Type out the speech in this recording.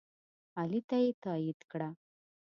علي ته یې تایید کړه.